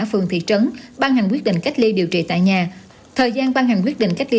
ba phường thị trấn ban hành quyết định cách ly điều trị tại nhà thời gian ban hành quyết định cách ly